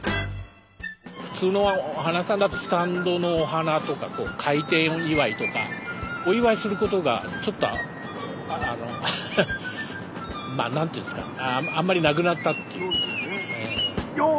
普通のお花屋さんだとスタンドのお花とか開店祝とかお祝いすることがちょっとあの何て言うんですかあんまりなくなったっていうか。